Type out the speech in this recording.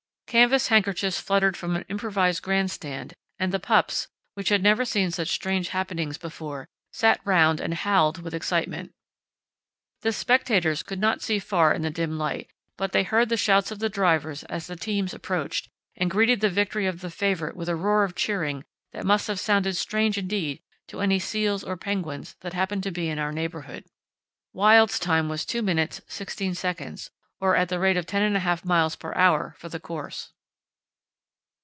Canvas handkerchiefs fluttered from an improvised grand stand, and the pups, which had never seen such strange happenings before, sat round and howled with excitement. The spectators could not see far in the dim light, but they heard the shouts of the drivers as the teams approached and greeted the victory of the favourite with a roar of cheering that must have sounded strange indeed to any seals or penguins that happened to be in our neighbourhood. Wild's time was 2 min. 16 sec., or at the rate of 10½ miles per hour for the course.